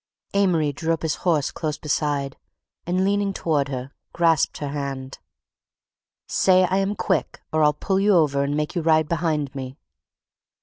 Amory drew his horse up close beside, and, leaning toward her, grasped her hand. "Say I am—quick, or I'll pull you over and make you ride behind me."